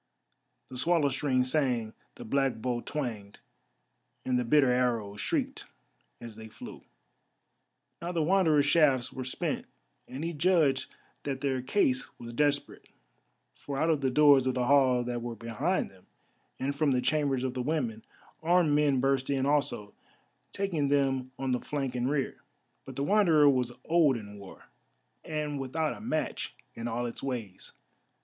The swallow string sang, the black bow twanged, and the bitter arrows shrieked as they flew. Now the Wanderer's shafts were spent, and he judged that their case was desperate. For out of the doors of the hall that were behind them, and from the chambers of the women, armed men burst in also, taking them on the flank and rear. But the Wanderer was old in war, and without a match in all its ways.